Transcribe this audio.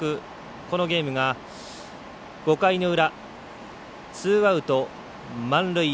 このゲームが５回の裏、ツーアウト、満塁。